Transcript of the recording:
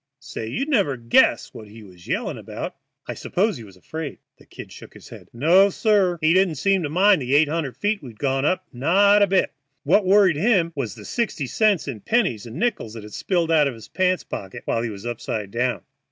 Say, you'd never guess what he was yelling about." "I suppose he was afraid?" The "Kid" shook his head. "No, sir; he didn't seem to mind the eight hundred feet we'd gone up, not a bit. What worried him was sixty cents in pennies and nickels that had spilled out of his pants pockets while he was upside down."